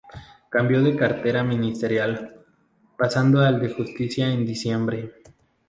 Cambió de cartera ministerial, pasando al de Justicia en diciembre.